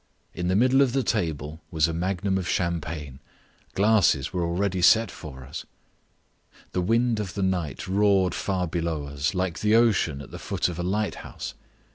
In the middle of the table was a magnum of champagne. Glasses were already set for us. The wind of the night roared far below us, like an ocean at the foot of a light house.